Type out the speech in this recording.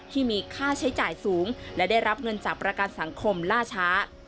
ที่มีค่าใช้จ่ายสูงและได้รับเงินจากประกันสังคมล่าช้า